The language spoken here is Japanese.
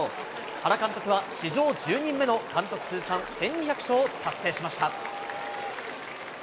原監督は史上１０人目の監督通算１２００勝を達成しました。